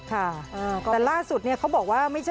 แต่ล่าสุดเนี่ยเขาบอกว่า